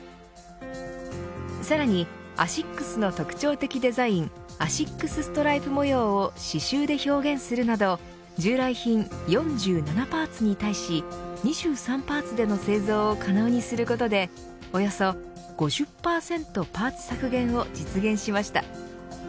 さらにアシックスの特徴的デザインアシックスストライプ模様を刺しゅうで表現するなど従来品４７パーツに対し２３パーツでの製造を可能にすることでおよそ５０％パーツ削減も実現しました。